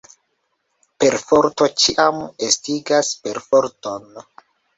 Perforto ĉiam estigas perforton.